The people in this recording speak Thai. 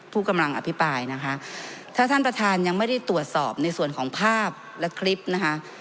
ผู้กำลังอภิปรายนะคะถ้าท่านประธานยังไม่ได้ตรวจสอบในส่วนของภาพและคลิปนะคะ